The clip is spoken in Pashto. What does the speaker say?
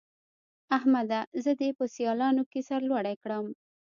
احمده! زه دې په سيالانو کې سر لوړی کړم.